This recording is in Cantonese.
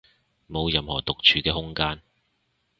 冇任何獨處嘅空間